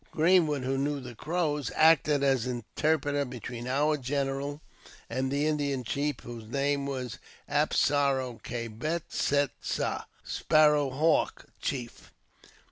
Greenwood, who knew the Crows, acted as interpreter between our general and the Indian chief, whose name was Ap sar o ka Bet set sa, Sparrow Haivk Chief.